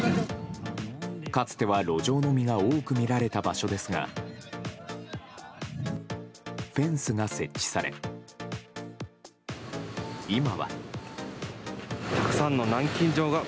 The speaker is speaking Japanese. かつては路上飲みが多く見られた場所ですがフェンスが設置され、今は。